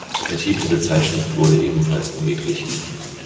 Der Titel der Zeitschrift wurde ebenfalls angeglichen.